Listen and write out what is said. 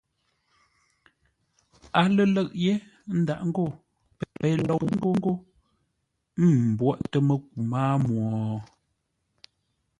A lə̂ʼ yé, ə́ ndáʼ ngô: Pei lou pə́ ńgó m mbwóʼtə́ məku mâa mwo.